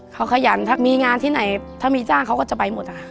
เขาขยันถ้ามีงานที่ไหนถ้ามีจ้างเขาก็จะไปหมดค่ะ